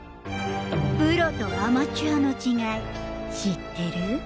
プロとアマチュアの違い知ってる？